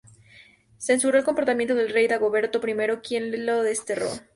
Censuró el comportamiento del rey Dagoberto I, quien le desterró.